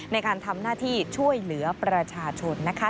ในการทำหน้าที่ช่วยเหลือประชาชนนะคะ